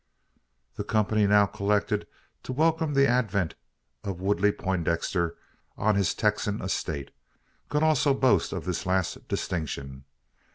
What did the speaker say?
The company now collected to welcome the advent of Woodley Poindexter on his Texan estate, could also boast of this last distinction.